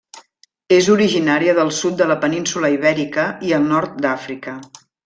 És originària del sud de la península Ibèrica i el nord d'Àfrica.